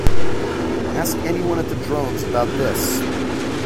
Ask anyone at the Drones about this.